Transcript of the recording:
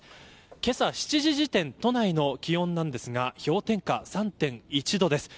けさ７時時点、都内の気温ですが氷点下３．１度です。